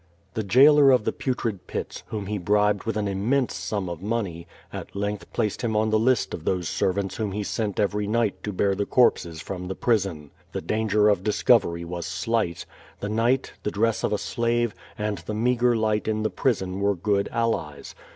The jailer of the Putrid Pits, whom he bribed with an immense sum of money, at length placed him on the list of those servants whom he sent^every night to bear the corpses from the prison. The danger of discovery was slight. The night, the dress of a slave, and the meagre light in the prison were good allies.